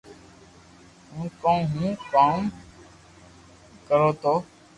ڪون ڪو ھون ڪوم ڪرو تو